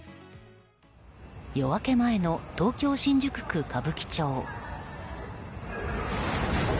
夜明け前の東京・新宿区歌舞伎町。